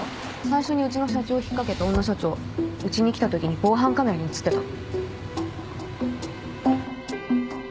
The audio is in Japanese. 最初にうちの社長を引っかけた女社長うちに来た時に防犯カメラに映ってた。